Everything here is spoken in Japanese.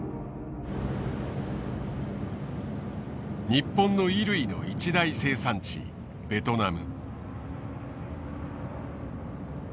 日本の衣類の一大生産地ベトナム。